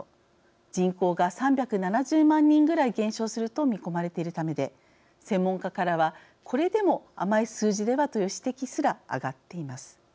人口が３７０万人ぐらい減少すると見込まれているためで専門家からはこれでも甘い数字ではという指摘すらあがっています。